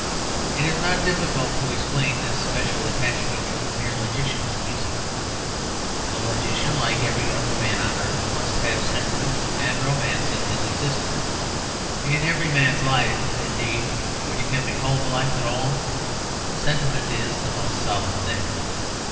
It is not difficult to explain this special attachment of the mere logician to music. The logician, like every other man on earth, must have sentiment and romance in his existence; in every man's life, indeed, which can be called a life at all, sentiment is the most solid thing.